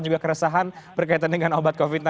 juga keresahan berkaitan dengan obat covid sembilan belas